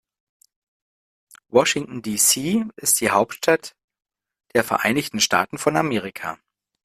Washington, D.C. ist die Hauptstadt der Vereinigten Staaten von Amerika.